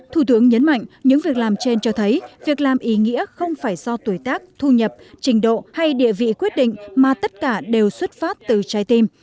thủ tướng nhấn mạnh những việc làm trên cho thấy việc làm ý nghĩa không phải do tuổi tác thu nhập trình độ hay địa vị quyết định mà tất cả đều xuất phát từ trái tim